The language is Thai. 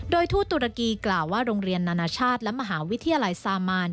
โดยทูตตุรกีกล่าวว่าโรงเรียนนานาชาติและมหาวิทยาลัยซามาน